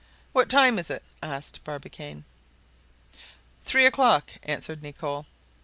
What time is it?" asked Barbicane. "Three o'clock," answered Nicholl.